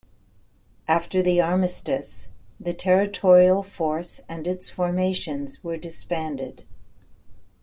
After the Armistice, the Territorial Force and its formations were disbanded.